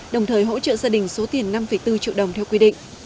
đồng thời hỗ trợ gia đình số tiền năm bốn triệu đồng theo quy định